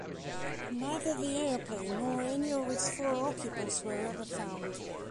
Neither the airplane nor any of its four occupants were ever found.